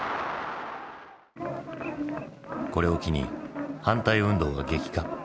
これを機に反対運動は激化。